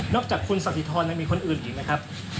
นอกจากคุณสัสสิธรมีคนอื่นอยู่ไหมครับ